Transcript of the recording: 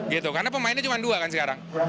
karena pemainnya cuma dua kan sekarang